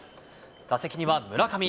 打席には村上。